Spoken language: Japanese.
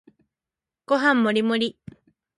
ご飯もりもり